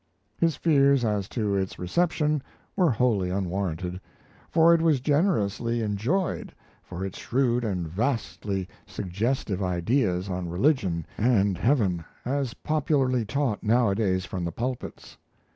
His fears as to its reception were wholly unwarranted; for it was generously enjoyed for its shrewd and vastly suggestive ideas on religion and heaven as popularly taught nowadays from the pulpits.